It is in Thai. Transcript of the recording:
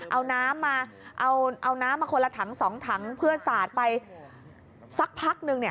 เอาน้ำมาคนละถัง๒ถังเพื่อสาดไปสักพักหนึ่ง